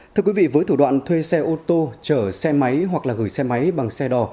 thưa quý vị với thủ đoạn thuê xe ô tô chở xe máy hoặc là gửi xe máy bằng xe đò